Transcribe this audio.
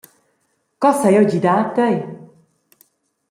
Co sai jeu gidar tei?